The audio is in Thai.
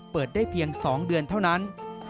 เปิดได้เพียง๒เดือนเท่านั้น